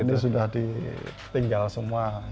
ini sudah ditinggal semua